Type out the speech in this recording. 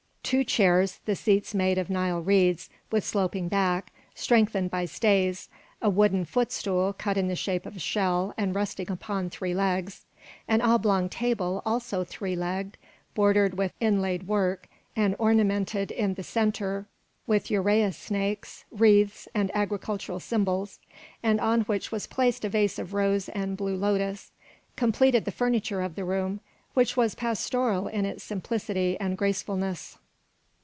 Two chairs, the seats made of Nile reeds, with sloping back, strengthened by stays, a wooden foot stool cut in the shape of a shell and resting upon three legs, an oblong table, also three legged, bordered with inlaid work and ornamented in the centre with uræus snakes, wreaths, and agricultural symbols, and on which was placed a vase of rose and blue lotus, completed the furniture of the room, which was pastoral in its simplicity and gracefulness.